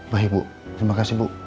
baik bu terima kasih bu